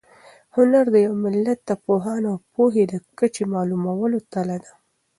هنر د یو ملت د پوهانو او پوهې د کچې د معلومولو تله ده.